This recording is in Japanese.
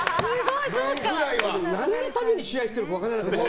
何のために試合してるか分からなかったね。